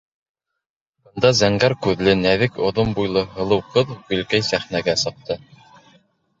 Бында зәңгәр күҙле, нәҙек оҙон буйлы һылыу ҡыҙ Гөлкәй сәхнәгә сыҡты.